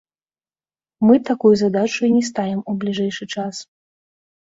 Мы такую задачу і не ставім у бліжэйшы час.